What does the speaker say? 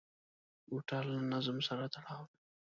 موټر له نظم سره تړاو لري.